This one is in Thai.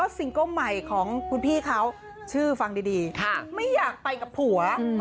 ไม่รู้อยากไปกับใครเหมือนกันแต่ไม่อยากไปกับผัว